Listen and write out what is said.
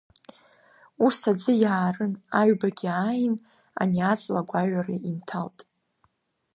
Ус аӡы иаарын, аҩбагьы ааин, ани аҵла агәаҩара инҭалт.